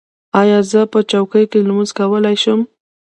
ایا زه په چوکۍ لمونځ کولی شم؟